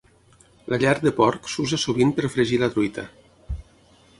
La llard de porc s'usa sovint per fregir la truita.